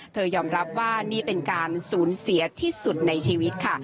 ยอมรับว่านี่เป็นการสูญเสียที่สุดในชีวิตค่ะ